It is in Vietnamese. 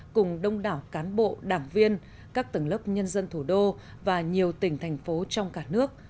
cùng đông đảo cán bộ đảng viên các tầng lớp nhân dân thủ đô và nhiều tỉnh thành phố trong cả nước